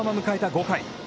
５回。